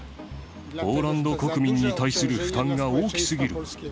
ポーランド国民に対する負担が大きすぎる。